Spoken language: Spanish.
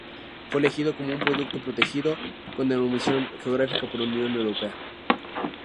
Fue elegido como un producto protegido con denominación geográfica por la Unión Europea.